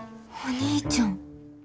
お兄ちゃん。